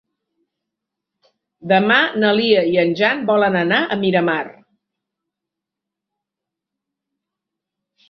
Demà na Lia i en Jan volen anar a Miramar.